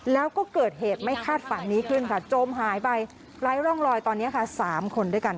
แล้วก็เกิดเหตุไม่คาดฝันนี้ขึ้นค่ะจมหายไปไร้ร่องรอยตอนนี้ค่ะ๓คนด้วยกัน